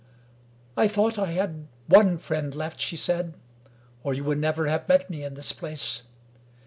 " I thought I had one friend left," she said, " or you would never have met me in this place.